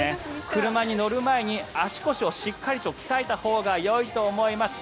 車に乗る前に足腰をしっかりと鍛えたほうがよいと思います。